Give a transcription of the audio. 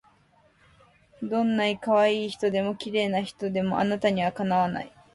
どんない可愛い人でも綺麗な人でもあなたには敵わない